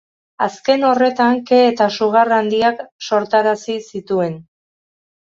Azken horretan, ke eta sugar handiak sortarazi zituen.